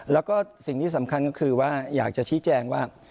แล้วก็สิ่งที่สำคัญก็คือว่าอยากจะชี้แจงว่า